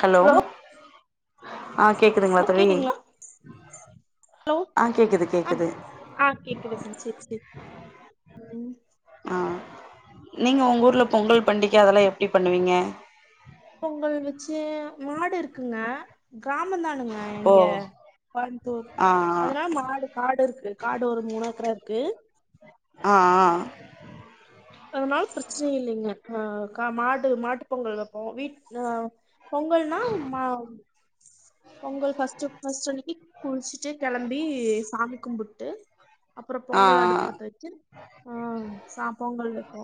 Hello ஆ கேக்குதுங்களா hello தோழி கேக்குதுங்களா ஹலோ ஆ கேக்குது கேக்குது ஆ கேக்குதுங் செரி செரி ம் ஆ நீங்க உங்க ஊர்ல பொங்கல் பண்டிக அதெல்லா எப்டி பண்ணுவீங்க பொங்கல் வெச்சு மாடு இருக்குங்க கிராம தானுங்க ஓ இங்க கோயம்தூர் ஆ அதனா மாடு காடு இருக்கு காடு ஒரு மூணு ஏக்கர இருக்கு ஆ ஆ [inaudible] அதனால பிரச்சன இல்லைங்க ஆ மாடு மாட்டு பொங்கல் வைப்போ வீட் ஆ பொங்கல்னா மா பொங்கல் ஃபஸ்ட் ஃபஸ்ட் அன்னைக்கு குளிச்சுட்டு கிளம்பி சாமி கும்பு ட்டு அப்றோ ஆ பொங்கல் அடுப்பு பத்த வச்சு ஆ சா பொங்கல் வைப்போ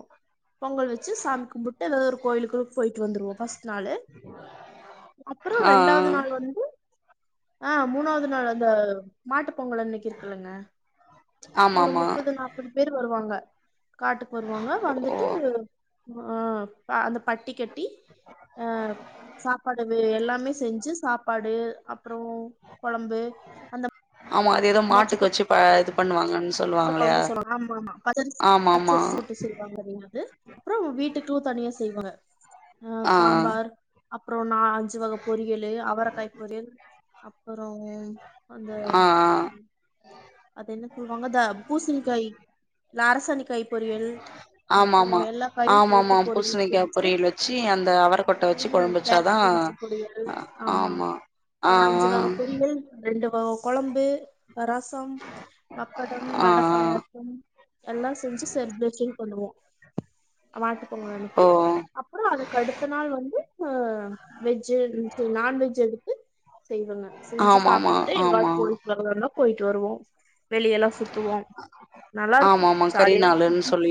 பொங்கல் வச்சு சாமி கும்பிட்டு ஏதாவது ஒரு கோயிலுக்கு போயிட்டு வந்துருவோ ஃபஸ்ட் நாலு அப்றோ ஆ ஆ ரெண்டாவது நாளு வந்து ஆ மூணாவது நாள் அந்த மாட்டு பொங்கல் அன்னைக் இருக்கலங்க ஆமா ஒரு ஆமா முப்பது நாப்பது பேர் வருவாங்க காட்டுக்கு வருவாங்க வந்துட்டு ஓ ஆ அந்த பட்டி கட்டி ஆ சாப்பாடு எல்லாமே செஞ்சு சாப்பாடு அப்றோ குழம்பு ஆமா அது ஏதோ மாட்டுக்கு வச்சு இது பண்ணுவாங்கன்னு வத்த சொல்லுவாங்களையா கொழம்பு சொல்லுவாங்க ஆமா ஆமா பச்சரிசி ஆமா ஆமா பச்சரிசி போட்டு செய்வாங் வாங்க நின்னது அப்றோ வீட்டுக்கு தனியா செய்வாங்க ஆ சாம்பார் அப்றோ நா அஞ்சு வகப் பொரியலு அவரைக்காய் பொரியல் அப்றோ அந்த ஆ ஆ அது என்ன சொல்லுவாங்க இத பூசணிக்காய் இல்ல அரசணிக்காய் பொரியல் ஆமா அப்றோ ஆமா எல்லா காய்யு ஆமா போட்டு ஆமா பொறியல் பூசணிக்கா செஞ்சி பொரியல் வச்சு அந்த அவரக்கொட்ட வச்சு ம் கொழம்பு வச்சாதா கேரட் பீன்ஸ் பொரியல் ஆமா ஆ ஒரு அஞ்சு ஆ வகை பொரியல் ரெண்டு வக குழம்பு ரசம் மப்படம் ஆ வட ஆ பாயசம் எல்லா செஞ்சு செல்பரேஷன் பண்ணுவோ மாட்டு பொங்கல் ஓ அனைக்கி அப்றோ அதுக்கு அடுத்த நாள் வந்து வெஜ்ஜு நான்வெஜ்ஜு எடுத்து செய்வங்க செஞ்சு ஆமாமா சாப்புட்டு எங்க ஆமா போயிட்டு வர்றனா போயிட்டு வருவோ வெளியலா சுத்துவோ நல்லா இருக்கு ஜாலியா இருக்கு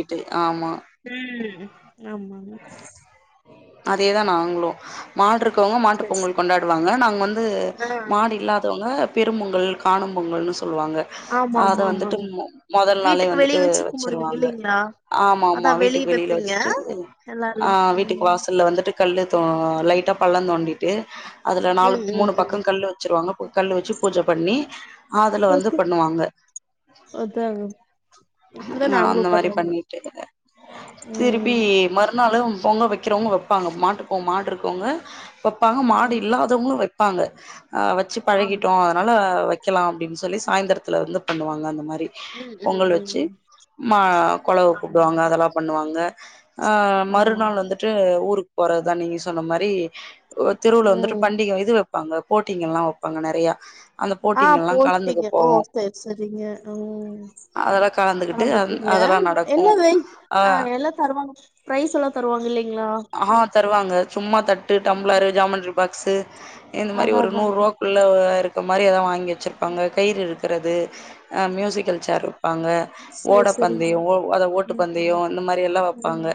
து ஆமா ம் ஆமா ஆமா அதேதா நாங்களு மாடு இருக்கவங்க மாட்டு சரி பொங்கல் சரி கொண்டாடுவாங்க நாங்க வந்து ஆ மாடு இல்லாதவங்க பெரும் பொங்கல் காணும் பொங்கல்ன்னு சொல்லுவாங்க ஆமா அத ஆமா வந்துட்டு ஆமாங்க முதல் நாளே வீட்டுக்கு வெளிய வந்துட்டு வச்சு கும்பிடுவீங்க வச்சிருவாங்க இல்லைங்களா ஆமா அதா ஆமா வெளிய வீட்டுக்கு வெளியில வைப்பீங்க வச்சுட்டு ஆ எல்லார்லா வீட்டுக்கு ம் வாசல்ல வந்துட்டு கல் த்தோ லைட்டா பள்ள தோண்டிட்டு அதுல நாலு ம் ம் மூணு ம் பக்க கல் வச்சுருவாங்க கல்லு வச்சி பூஜப் பண்ணி அதுல வந்து ஓகே. பண்ணுவாங்க அதாங்க இப்டிதா ஆ நாங்களு அந்த மாரி பண்ணுவோங்க பண்ணிட்டுருக்கே திருப்பி ம் மறுநாளும் பொங்க வைக் க்கிறவங்க வைப்பாங்க மாட்டுப் மாடு இருக்கவங்க வைப்பாங்க மாடு ஆமாங்க இல்லாதவங்களு வைப் பாங்க வச்சு ஆமா பழகிட்டோ அதனால வைக்கலா அப்டின்னு சொல்லி சாய்ந்திரத்தில இருந்து பண்ணுவாங்க அந்த மாரி ம் ம் ம் ச்சு ம கோலவா கூப்டுவாங்க ஆமாங்க. அதெல்லா பண்ணுவாங்க ஆமாங்க. மறுநாள் வந்துட் டு ஊருக்கு போறதா நீங்க சொன்ன மாரி திருவுழ வந்துட்டு ம். பண்டிக இது வப் பாங்க போட்டிங்கலா ஆ கலந்துக்க போய்ட்டீங்க ஓ போவோ செரி செரிங்க ம் அதெல்லா கலந்துக்கிட்டு வந்துப்பீங்க அதெல்லா நடக்கு எல்லா வெய் ஆ எல்லா தருவாங்க ப்ரைஸ் எல்லா தருவாங்க இல்லலைங்களா ஆ தருவாங்க சும்மா தட்டு டம்ளரு ஜாமண்ட்ரி பாக்ஸ்சு இந்த மாரி அதான், ஒரு அதாங்க. நூறுவா உள்ள இருக்க மாரி ஏதா வாங்கி ம். வச்சிருப்பாங்க கயிறுருக் கிறது மியூசிக்கல் சேர் வைப்பாங்க சரி, ஓட சரிங்க. பந்தயோ ஓ அது ஓட்டு ம், பந்தயோ ம், இந்த மாரில்லா வப்பாங்க ம்,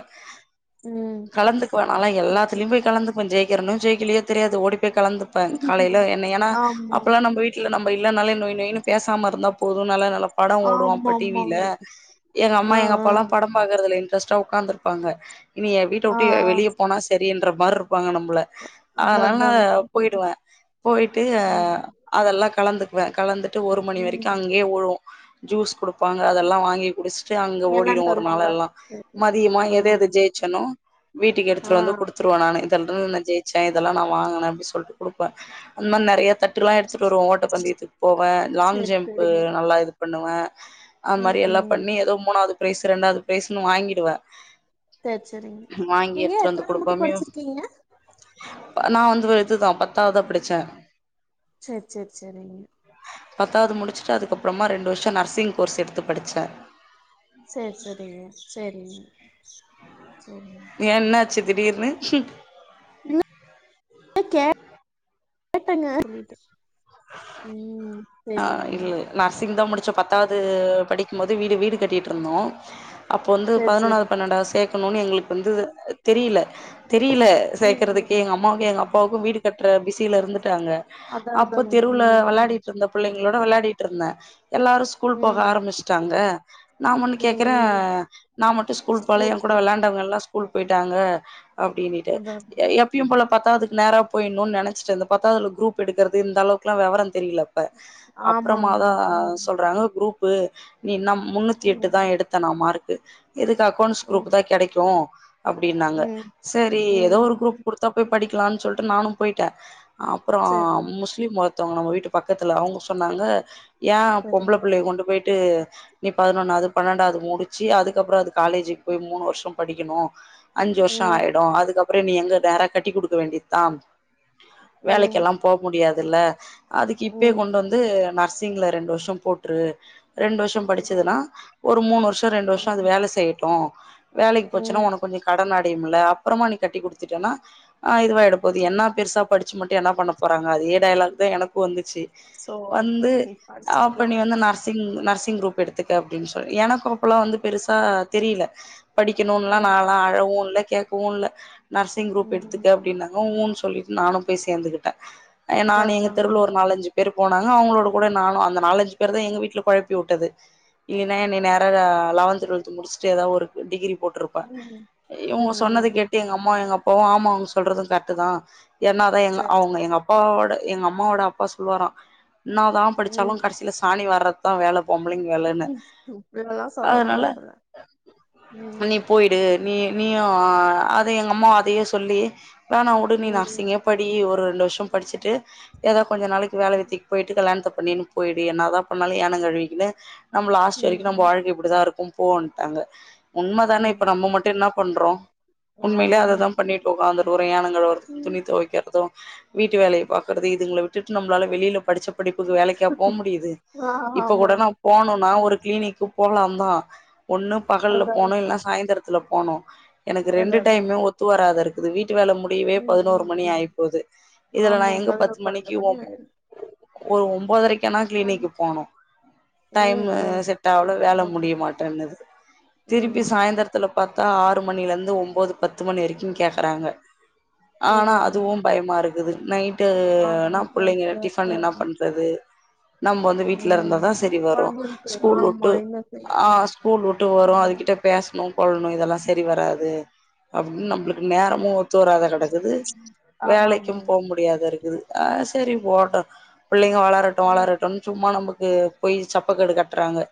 ம். கலந்துக்குவே நல்லா சரி, எல்லாத்தலயு சரிங்க. போய் கலந்துக்குவே ஜெயிக்கிறேனோ ஜெயிக்கலையே தெரியாது ஓடி போய் கலந்து ப்ப காலையில என்ன ஏன்னா ஆமாங்க. அப்பல்லா நம்ம வீ ட்ல நம்ம இல்லனாலே நொய் நொயன்னு பேசாம இருந்தா போது நல்ல நல்ல பட ஓடு அ டி வில ஆமாமாங்க. எங்கம்மா ஆ, ஆ, எங்கப்பாலா படம் பாக்குறதுல இன்டரெஸ்ட்டா உக்காந்துருப்பாங்க நீ ஏ வீட்ட ஆ, விட்ட ஆ. வெளியே போனா சரின்ற மாரிருக் ப்பாங்க நம்மள அதான், அதனால நா அதாங்க. போயிடுவே போயிட்டு ம், அதெல்லா கலந்துக்குவே கலந்துட்டு ஒரு மணி வரைக்கு ம். அங்கயே உளு ஜூஸ் குடு ப்பாங்க அதெல்லா வாங்கி குடிச்சுட்டு அங்க ஓடிடு எல்லாம் ஒரு தருவாங்க. நாளல்லா சரி, சரிங்க. மதியமா ஆ, எத எது ஜெய் ச்சனு வீட்டுக்கு எடுத்துட்டு வந்து ஆ. குடுத்து டுவே நானு இதெல்லா நா ஜெயிச்சே இதெல்லா நா வாங்கின சொல்லிட்டு குடுப்பே அந்த மாரி நெறைய தட் டல்லா எடுத்துட்டு வருவோ ஓட்டப் பந்தயத்துக்கு போவே லாங் சரி, ஜம்ப்பு சரிங்க. நல்லா இது பண்ணுவே அந் ம் மாரி எல்லா ம் பண்ணி ஏதோ மூணாவது பிரைஸ் ரெண்டாவது பிரைஸ்ன்னு வாங்கிடுவே சேரி சேரிங்க வாங்கி நீங்க எடுத்துட்டு வந்து எத்தனாவது மட்டு குடுப்பமே படிச்சிருக்கீங்க நா வந்து இதுதா பத்தாவதா படிச்சே சரி சரி சரிங்க பத்தாவது முடிச்சுட்டு அதுக்கப்புறமா ரெண்டு வருஷ நர்சிங் கோர்ஸ் எடுத்து படிச்சே சே சேரிங்க சேரிங்க சேரிங்க ஏ என்னாச்சு திடீர்னு இல்ல கேட் கேட்டங்க சொல்லிட்டே ம் ஆ சேரதுங்க இல்ல நர்சிங் தா முடிச்சே பத்தாவது படிக்கும்போது வீடு வீடு கட்டிட்டிருந்தோ அப்போ வந்து சேரி சேரி பதினொன்னாவது பன்னெண்டாவது சேரிங்க சேக் கனுனே எங்களுக்கு வந்து தெரியல தெரியல ம் சேக்கறிதுக்கே ம் எங்கம்மாவுக்கு எங்கப்பாவுக்கு வீடு கட்ற பிசில இருந்துட்டாங்க அதா அப்போ அதாங்க தெருவுல ம் விளாடிட்ருந்தப் பிள்ளைங்களோட வெளாடிட்ருந்தே எல்லாரு ம் ஸ்கூல் போக ம் ஆரம்பிச்சிட்டாங்க நா மட்டு ம் கேக்குறே ம் நா மட்டு ஸ்கூல் போல ஏ கூட ஸ்கூலுக்கு விளாண்டவங்கல்லா கூல் போயிட்டாங்க அப்படின்னுட்டு அதா எப்பயு ம் போல பத்தாதுக்கு நேரா போயிடணுனு நெனைச்சிட்ருந்த பத்தா அதுல குரூப் எடுக்கிறது இந்த அளவுக்குலா வெவர தெரியல ப்ப ஆமா ஆமாங்க அப்பறமாதா ம் சொல்றாங்க குரூப் பு நீன்ன முன்னூத்தி எட்டுதா ம் எடுத்த நா மார்க்கு எதுக்கு அக்கௌண்ட்ஸ் ஓ குரூப் தா கெடைக்கு அப்பிடினாங்க ம் சரி ஏதோ ம் ஒரு குரூப் குடுதா போய் படிக்கலான் சொல்ட்டு நானு போயிட்டே அப்பற சரிங்க முஸ்லிம் ஒரூத்தவங்க நம்ம வீட்டு பக்கத்துல அவங்க சொன்னாங்க ஏ பொம்பள சரிங்க புள்ளய கொண்டு போயிட்டு நீ பதினொன்னாவது பன்னெண்டாவது முடிச்சு அதுக்கப்பறோ அது காலேஜிக்கு போய் மூணு வருஷ படிக்கணு அஞ்சு வருஷ ம் ஆயிடு அதுக்கப்பற நீ எங்க நேர கட்டி குடுக்க வேண்டியத்தா ம் வேலைக்கெல்லா போ முடியாதுல்ல அதுக்கு இப்பயே ம் கொண்டு வந்து நர்சிங்ல ரெண்டு வருஷ போட்ரு ரெண்டு வருஷ ம் படிச்சதுன்னா ஒரு மூணு வருஷ ரெண்டு வருஷ அது வேல செய்யட்டு வேலைக்கு போச்சுன்னா ம் உனக் கொஞ்ச கடன் அடையும்ல அப்புறமா நீ கட்டி குடுத்துட்டேனா ஆ இதுவாயிடு இப்போது ம் என்ன பெருசா படிச்சு மட்டு என்னா பண்ண போறாங்க அதே டையலாக் தா எனக்கு வந்துச்சு சோ வந்து ஆப் படிச்சிருக்கலா பண்ணி வந்து நர்ஸ் சிங் நர்சிங் குரூப் எடுத்துக்க அப்டின்னு சொல்லி எனக்கு அப்பல்லா வந்து பெருசா தெரியல படிக்கணும்னுலா நான்லா ம் அழவு இல்ல கேட்கவு இல்ல நர்சிங் குரூப் எடுத்துக்க ம் அப்படின்னாங்க ஊன்னு சொல்லி நானு போய் சேந்துகிட்டே ஏ நானு எங்க தெருவுல்ல ஒரு அதா அதா நாலஞ்சு பேரு போனாங்க அவங்களோட கூட நானு அந்த நாலஞ்சு பேரு தா எங்க வீட்ல கொழப்பி உட்டது இல்லின்னா என்ன நேரா லவன்த் டுவல்த் முடிச்சுட்டு ஏதாவது ஒரு டிகிரி போட்ருப் ம் ம் ம் ட்டு எங்கம்மாவு எங்கப்பாவு ஆமா அவங்க சொல்றது கரெட்டுதா என்னால்தா எங்க சரி அவங்க சரி எங்கப் அப்பாவோட எங்க அம்மாவோட அப்பா சொல்லுவாரா இன்னாதா படிச்சாலு ம் கடசில சாணி வார்றதுதா வேல பொம்பளைங்க வேலன்னு ம் இப்டியெல்லா சொல்ல அதனால கூடாதுல ம் நீ போயிடு நீ நீயு அத எங்க அம்மா அதயே சொல்லி வேணா வுடு நீ ம் நர்ஸிங்கே படி ஒ ரு ரெண்டு வருஷோ படிச்சுட்டு ஏதோ கொஞ்ச நாளைக்கி வேலவெத்தி போயிட்டு கல்யாணத்தை பண்ணினு போயிடு என்னதா பண்ணாலு ஏனோ கழுவிக்கினூ நம்ம லாஸ்ட் வரைக்கு நம்போ ம் வாழ்கை இப்டிதா இருக்கு போவ்வுன்டாங்க உண்மதானே இப்ப ம் நம்ம மட் டு என்ன பண்றோ உண்மையிலே ஆமாங்க அததா பண்ணிட்டு வுக்காந்து ஒரு ஏனோ கழுவறது ம் துணி துவைக்கிறது வீட்டு வேலய பாக்கறது இதுங்கள விட் ட்டுட்டு நம்மளால வெளியில படிச்ச படிப்புக்கு வேலைக்கா போ முடியுது ஆ இப்ப கூடனா ஆமாங்க போனுனா ஒரு கிளினிக்கி போலாதா ஒண்ணு பகல்ல அதா போனு இல்ல சாயந்திரத் துல போணு எனக்கு அதா ரெண்டு அதா டைமே ஒத்து வராத இருக்குது வீட்டு வேல முடியவே ம் பதனோரு ம் மணி ம் ஆயி டுது இதுல நா ஆமாங்க எங்க பத்து பதினொரு பன்னெண்டு மணிக்கி மணி ஒம்போ ஆயிரு ஒரு ஒன்பதரைக்கி ல்லனா கிளினிக்கு போனு டைம் ம் ம் செட் ஆவல வேல ஆமாங்க முடிய மாட்டேன்னுது திருப்பி ம் சாய்ந்திரத் தில பாத்தா ஆறு மணியல இருந்து ஒம்போது பத்து மணி வரைக்கும் கேக்கறாங்க ஆனா அதாங்க அதுவு பயமா இருக்குது நைட்டுனா ஆமாங்க நைட் புள்ளைங்க டிஃபன் என்னா நேரத்துல பண்றது நம்ம வந்து வீட்டுல ம் இருந்தாதா சரி வரு கொழந்தைகளுக்கு ஸ்கூல் ஆமா வுட்டு என்ன செய்ய ஆ ஸ்கூல் வுட்டு வரு ஆமா அது கிட்ட பேசணு கொள்ளணு இதெல்லா சரி வராது அப்டின்னு நம்மளுக்கு நேரமு ஒத்தூ வறாத கெடக்குது ம் வேலைக்கும் போ முடியாத இருக்குது ஆ செரி போட்டு ம் பிள்ளைங்க வளரட்டு ம், வளரட்டுன் சும்மா நமக்கு போய் சப்பக்கடு கட்டுறாங்க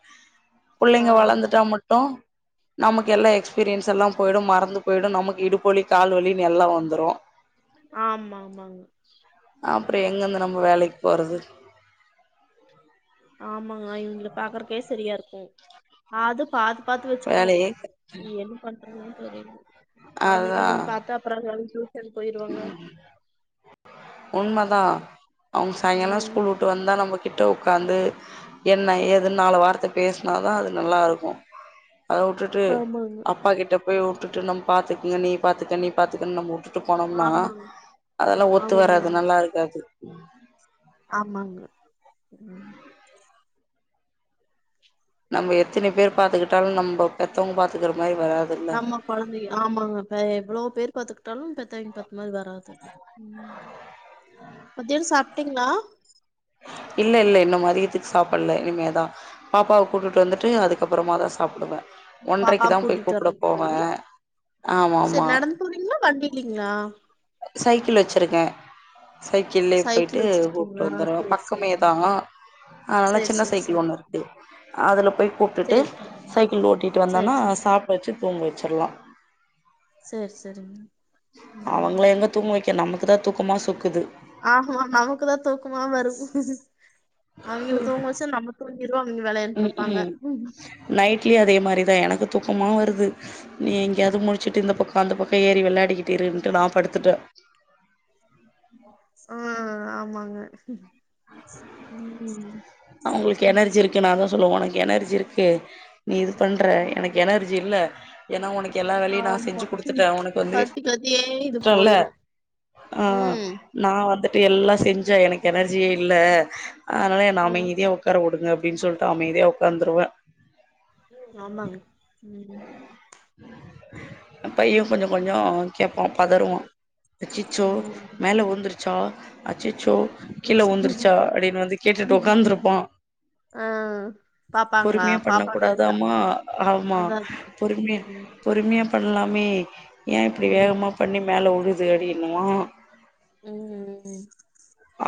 ஆ புள்ளைங்க வளந்துட்டா மட்டு நமக்கு எல்லா எக்ஸ்பீரியன்ஸ் எல்லா போயிடு மறந்து போயிடு நமக்கு இடுப்புவலி கால்வலின்னு எல்லா வந்துரு ஆமா ஆமாங்க அப்ற எங்கிருந்து நம்ம வேலைக்கு போறது ஆமாங்க இவிங்கள பாக்குறக்கே சரியா இருக்கு அது பாத் பாத்து வெச்சுக்கணு வேலையே என்ன உக்காண்டு இருந்தது தெரிலீங்க கெழந்தைங்கள வந்து பத்தா அப்றோ அதுக அழுதுட்டு ம் உண்ம தா அவ்ங்க சாயங்காலோ ம் ஸ்கூல் வுட்டு வந்தா நம்ம கிட்ட உக்காந்து என்ன ஏது நாலு வார்த்தை பேசுனாதா அது நல்லா இருக்கு அத வுட்டுட்டு ஆமாங்க அப்பா கிட்ட போய் வுட்டுட்டு நம்ம பாத்துகங்க நீ பாத்துக்க நீ பாத்துக்க நம்ம வுட்டுட்டு போனோம்னா ஆமாங்க அதெல்லா ஒத்து ஆமா வராது ஆமாங்க நல்லா இருக்காது ஆமாங்க ம் நம்ம எத்தினி பேர் பாத்துக்கிட்டாலு நம்ப பெத்தவங்க பாத்துக்கிற மாரி வராது நம்ம கொழந்தைய ஆமாங்க இப்ப எவ்ளோ பேரு பாத்துக்கிட்டாலு பெத்தவங்க பாத்து இந்த மாரி வராது ம் மத்தியான சாப்ட்டீங்களா இல்ல இல்ல இன்னு மதியத்துக்கு சாப்பல்ல இனிமேதா பாப்பாவ கூப்டுட்டு வந்துட்டு சேரி சேரி அதுக்கப்புறமா தா சாப்புடுவ ஒன்றைக்கு பாப்பாவ தா போய் கூப்புட போவ செரி நடந்து போவீங்களா வண்டில்லீங்களா சைக்கிள் வச்சிருக்க சைக்கிள்யே போயிட்டு சைக்கிள் கூப்டு வச்சிருக்கீங்களா வந்துருவ சரி பக்கமே சரிங்க தா அதனால சரி சின்ன சரி சைக்கிள் சரி ஒண்ணு இருக்கு அதில போய் கூப்டுட்டு சரி சரிங்க சைக்கிள் ஓட்டிட்டு சரி வந்தன்னா சரி சாப்ட வச்சி தூங்க வச்சில்லா செரி செரிங் அவங்கள எங்க தூங்க வெக்க நமக்கு தா தூக்கமா சொக்குது ஆமா நமக்குதா தூக்கமா வரு அவிங்கள தூங்க வச்சா நமக் தூங்கிருவோ அவிங்க வெளையாண்டு ம் இருப்பாங்க ம் நைட்லயு அதே மாரிதா எனக்கு துக்கமா வருது நீ எங்கேயாது முழிச்சுட்டு இந்த பக்க அந்த பக்கோ ஏறி வெளையாடிக்கிட்டு இருன்ட்டு நா படுத்துட்ட ஆ ஆமாங்க ம் அவுங்களுக்கு எனர்ஜி இருக் நா அதா சொல்லுவ உனக் எனர்ஜி இருக்கு நீ இது பண்ற எனக் எனர்ஜி இல்ல ஏன்னா உனக்கு எல்லா வேலையு நா ஆமா செஞ்சு குடுத்துட்ட உனக்கு வந்து கத்தி கத்தியே இது ஷ்டோ இல்ல போயிரு அ ம் நா வந்துட்டு எல்லா செஞ்ச எனக்கு எனர்ஜியே இல்ல அதனால நா ஆமா அமைதியா உக் காரவுடுங்க அப்டின் சொல்ட்டு அமைதியா உக்காந்துருவ ஆமாங்க ம் பைய கொஞ்சோ கொஞ்சோ ம் கேப்பா பதறுவா அச்சிச்சோ ம். மேல ஊந்துருச்சா அச்சிச்சோ அப்டி கீழ ஊந்துருச்சா சொல்லுவோ அப்டின்னு வந்து கேட்டுட்டு உக்காந்துருப்பா ஆ பாப்பாங்களா? பொறுமையா பண்ண பாப்பா விழுந்தா கூடாதாம்மா ஆமா அதா பொறும்யா ம் பொறுமியா பண்லாமே ஏ இப்டி வேகமா ம் பண்ணி மேல உழுது அடின்னுவா ம்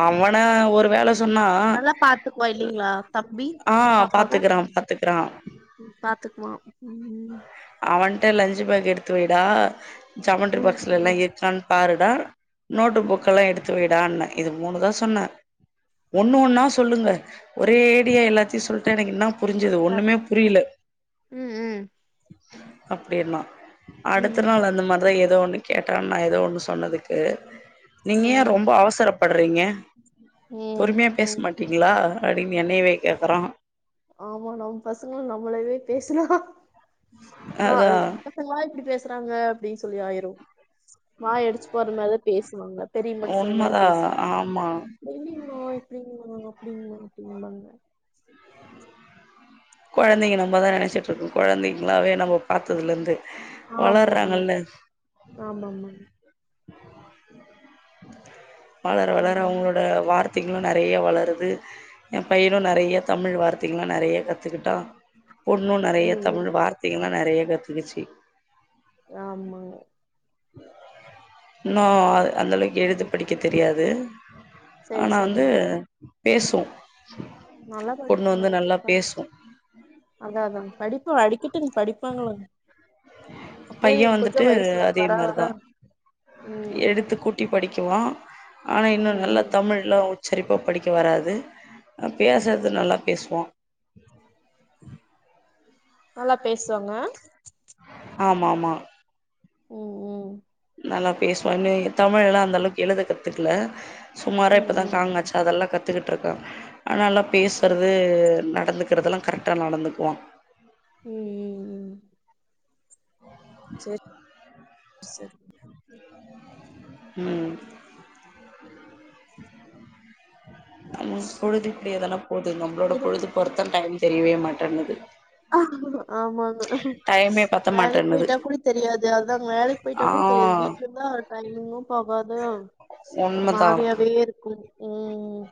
அவன ஒரு வேல சொன்னா நல்லா பாத்துக்குவா இல்லீங்ளா தம்பி ஆ பாப்பாவ பாத்துக்குறா பாத்துக்குறா பாத்துக்குவா ம் ம் அவன்ட லஞ்ச் பேகு எடுத்து வைடா ஜாமென்ட்ரி ம் பாக்ஸ்லெல்ல ம் [unintelligible] பாருடா நோட்டு புக்கெல்லா எடுத்துவைடான்னே இது மூணு தா சொன்ன ஒண்ணு ஒன்னா சொல்லுங்க ஒரேடியா எல்லாத்தியு சொல்ட்டா எனக் இன்னா புரிஞ்சிது அத்தாதா ஒண்ணுமே புரியில ம் ம் அப்டின்னா அடுத்த ம் நாள் அந்த மா ரி எதோ ஒன்னு கேட்டா நா எதோ ஒண்ணு சொன்னதுக்கு நீங்க ஏ ம் ரொம்போ அவசரப்ப ட்றிங்க ம் பொறும்யா பேச ம் மாட்டீங்ளா அ அப்டின்னு என்னயவே கேக்குறா ஆமா நம் பசங்ளு நம்மளவே பேசுனா ஆ அதா அதுதா இவ்ங்ளா இப்பிடி பேசுறாங்க அப்டி சொல்லி ஆயிரு வாயடிச்சு போற மாரி பேசுவாங்க பெரிய மனுஷங்க மாரி உண்மதா பேசுவாங்க ஆமா தோ இல்லீங்களா எப்டிங்களா அப்டிங்களா அப்டின்பாங்க கொழந்தைங்க நம்மதா நெனச்சிட்ருக்கோ கொழந்தைங்களாவே நம்ம பாத்ததுலந்து ஆமாங்க ஆமா ஆமா வளர வளர ம் அவுங்களோட வார்த் திங்களு நெறைய வளருது எ பையனு நெறைய தமிழ் வார்த்தைங்ள்லா நெறைய கத்துக்கிட்டா பொண்ணு ம் நெறைய தமிழ் ம் வார்த்தைங்கெல்லா நெறைய கத்துக்கிச்சி ஆமாங்க இன்னு அ அந்தளவுக் எழுத படிக்க தெரியாது சேரி ஆனா வந்து சேரிங்க பேசு நல்லா பொண்ணு படிப்பாங்க வந்து நல்லா ப பேசு அதா அதாங் படிப்பு வடிக்கெட்டி படிப்பாங்களா அப்டே பைய ஒரு கொஞ்சு வந்துட்டு வயசு வர அதே வர வர மாரிதா ம் ட்டி படிக்குவா ஆனா இன்னு ம் நல்லா ம் தமிழ் நல்லா உச்சரிப்பா படிக்க வராது அ பேசற்து நல்லா பேசுவா நல்லா பேசுவாங்க ஆமா ஆமா ம் ம் நல்லா பேசுவான்னு தமிழெல்லா அந்தளவுக் எழுத கத்துக்ல சுமாரா ம் இப்போ தா ம் க ங ச அதெல்லா கத்துக்கிட்டுருக்கா ஆனா நல்லா பேசுறது நடந்து க்கிறதெல்லா கரெக்டா நடந்துக்குவா ம் ம் ம் செரி செரி ம் அவ பொழுது இப்டியே தானே போது நம்ப்ளோட இதுவு பொழுது போறத்தா டைம் தெரியவே மாட்டங்குது ஆமா ஆமா பத்த வேலைக்கு மாட்டேன்னுது போயிட்டா கூட தெரியாது அதுதா வேலைக்கு போயிட்டா ஆ கூட தெரியாது வீட்ல இருந்தா டைமிங்கு போகாதா ஒரு உண்மதா மாறியாவே இருக்கு ம் ம்